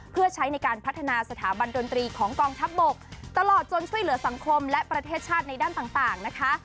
เพื่อใช้ในการพัฒนาสถาบันดนตรีของกองทัพบกตลอดจนช่วยเหลือสังคมและประเทศชาติในด้านต่างนะคะ